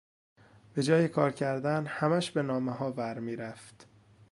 به جای کار کردن همهاش به نامهها ور میرفت.